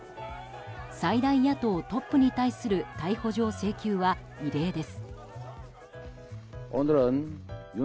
最大野党トップに対する逮捕状請求は異例です。